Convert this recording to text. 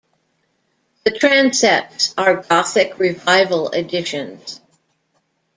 The transepts are Gothic Revival additions.